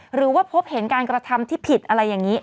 หรือว่าพบเห็นการกระทำที่ผิดอะไรอย่างนี้